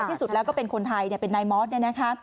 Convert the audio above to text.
ที่สุดแล้วก็เป็นคนไทยนายมอธน์